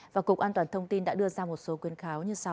và cục an toàn thông tin đã đưa ra một số khuyến kháo như sau